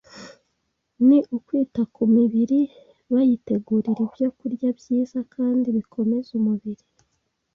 ni ukwita ku mibiri bayitegurira ibyokurya byiza kandi bikomeza umubiri